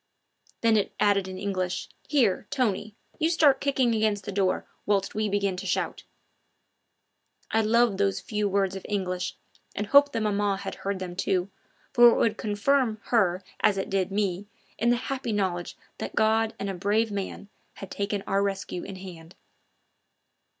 Then it added in English. "Here, Tony, you start kicking against the door whilst we begin to shout!" I loved those few words of English, and hoped that maman had heard them too, for it would confirm her as it did me in the happy knowledge that God and a brave man had taken our rescue in hand.